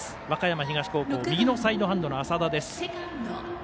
和歌山東高校右のサイドハンドの麻田。